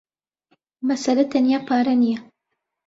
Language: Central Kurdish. مەسەلە تەنیا پارە نییە.